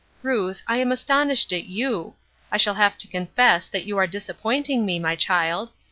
Ruth, I am astonished at you; I shall have to confess that you are disappointing me, my child.